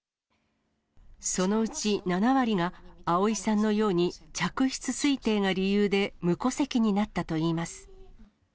そのうち７割が、あおいさんのように嫡出推定が理由で無戸籍になったといいます。